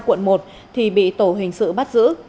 quận một thì bị tổ hình sự bắt giữ